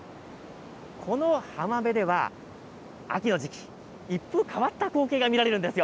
この浜辺では、秋の時期、一風変わった光景が見られるんですよ。